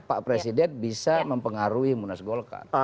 pak presiden bisa mempengaruhi munas golkar